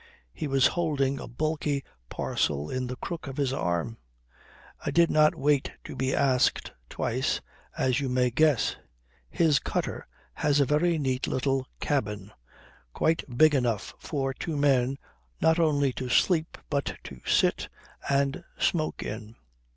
He was holding a bulky parcel in the crook of his arm. I did not wait to be asked twice, as you may guess. His cutter has a very neat little cabin, quite big enough for two men not only to sleep but to sit and smoke in.